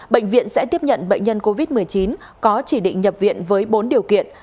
bệnh viện sẽ tiếp nhận bệnh nhân covid một mươi chín có chỉ định nhập viện với bốn điều kiện